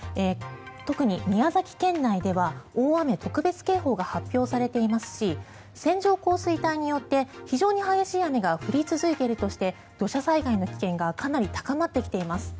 特に宮崎県内では大雨特別警報が発表されていますし線状降水帯によって非常に激しい雨が降り続いているとして土砂災害の危険がかなり高まってきています。